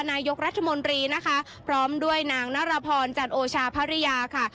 นายกรัฐมนตรีนะคะพร้อมด้วยนางนรพรจันโอชาภรรยาค่ะ